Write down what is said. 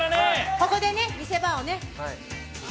ここで見せ場をね。